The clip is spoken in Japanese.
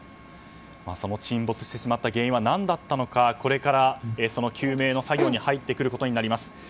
沈没してしまった原因は何だったのかこれから究明の作業に入ってくることになります。